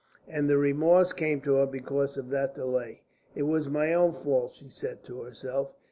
And remorse came to her because of that delay. "It was my own fault," she said to herself.